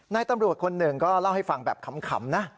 นายตำรวจคนหนึ่งก็เล่าให้ฟังแบบขำนะ